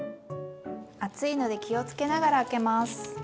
熱いので気をつけながら開けます。